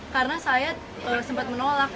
karena saya sempat menolak